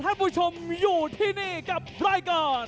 ผู้ชมอยู่ที่นี่กับรายการ